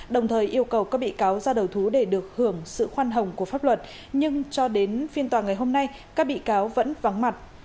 đồng thời yêu cầu các bị cáo ra đầu thú để được hưởng sự khoan hồng của pháp luật nhưng cho đến phiên tòa ngày hôm nay các bị cáo vẫn vắng mặt